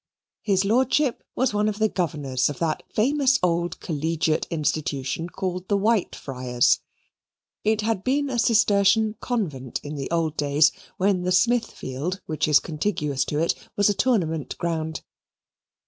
His lordship was one of the governors of that famous old collegiate institution called the Whitefriars. It had been a Cistercian Convent in old days, when the Smithfield, which is contiguous to it, was a tournament ground.